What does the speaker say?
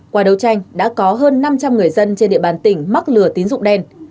qua đấu tranh đã có hơn năm trăm linh người dân trên địa bàn tỉnh mắc lừa tín dụng đen